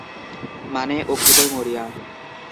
মানে, ও খুবই মরিয়া।